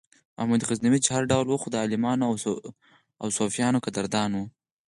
محمود غزنوي چې هر ډول و خو د عالمانو او صوفیانو قدردان و.